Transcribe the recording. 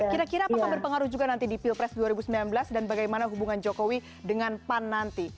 kira kira apakah berpengaruh juga nanti di pilpres dua ribu sembilan belas dan bagaimana hubungan jokowi dengan pan nanti